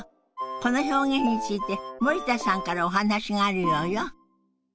この表現について森田さんからお話があるようよ。